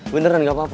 beneran gak apa apa